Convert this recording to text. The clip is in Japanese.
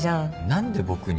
何で僕に。